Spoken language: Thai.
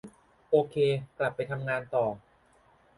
โอเค กลับไปทำงานต่อ